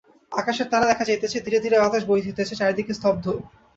আকাশের তারা দেখা যাইতেছে, ধীরে ধীরে বাতাস বহিতেছে, চারিদিক স্তব্ধ।